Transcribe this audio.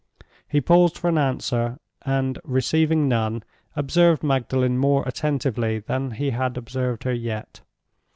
He paused for an answer; and, receiving none, observed Magdalen more attentively than he had observed her yet.